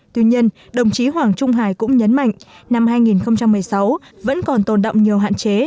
tuy nhiên đồng chí hoàng trung hải cũng nhấn mạnh năm hai nghìn một mươi sáu vẫn còn tồn động nhiều hạn chế